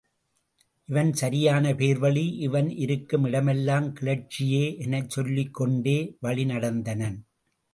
இவன் சரியான பேர்வழி இவன் இருக்கும் இடமெலாம் கிளர்ச்சியே எனச் சொல்லிக் கொண்டே வழி நடந்தனன்.